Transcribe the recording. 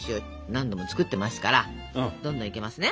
何度も作ってますからどんどんいけますね。